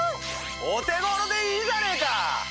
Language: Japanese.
お手頃でいいじゃねえか！